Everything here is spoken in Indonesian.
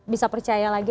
bisa percaya lagi